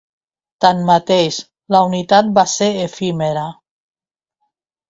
Tanmateix, la unitat va ser efímera.